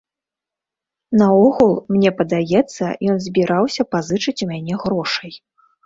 Наогул, мне падаецца, ён збіраўся пазычыць у мяне грошай.